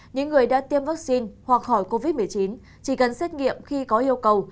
những người đã tiêm vaccine hoặc hỏi covid một mươi chín chỉ cần xét nghiệm khi có yêu cầu